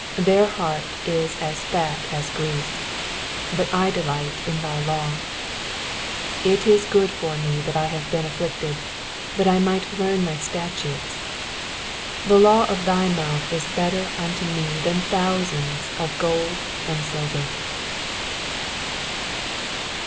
70 Their heart is as fat as grease ; but I delight in thy law. J I It is good for me that I have been afflicted ; that I might learn thy statutes. 72 The law of thy mouth is better unto me than thousands of gold and silver.